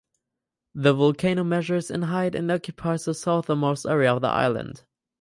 The volcano measures in height and occupies the southernmost area of the island.